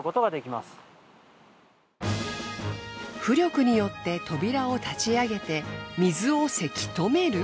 浮力によって扉を立ち上げて水をせき止める？